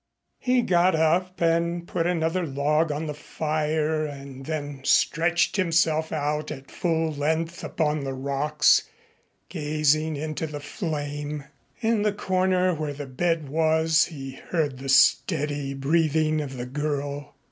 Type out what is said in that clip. He got up and put another log on the fire and then stretched himself out at full length upon the rocks, gazing into the flame. In the corner where the bed was he heard the steady breathing of the girl.